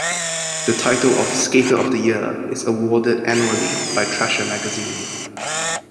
The title of "Skater of the Year" is awarded annually by "Thrasher" magazine.